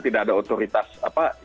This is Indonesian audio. tidak ada otoritas apa yang mengatur